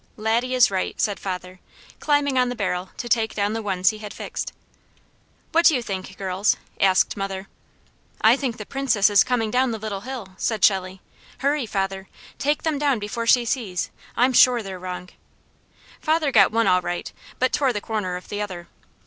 "Laddie is right!" said father, climbing on the barrel to take down the ones he had fixed. "What do you think, girls?" asked mother. "I think the Princess is coming down the Little Hill," said Shelley. "Hurry, father! Take them down before she sees! I'm sure they're wrong." Father got one all right, but tore the corner of the other.